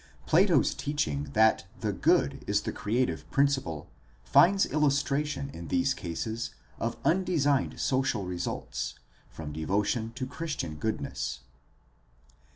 Plato's teaching that the Good is the creative principle finds illustration in these cases of undesigned social results from devotion to Christian goodness.